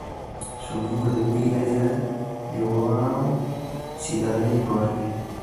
Su nombre de pila era "João Cidade Duarte.